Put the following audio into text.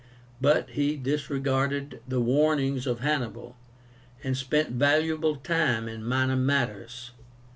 But he disregarded the warnings of Hannibal, and spent valuable time in minor matters.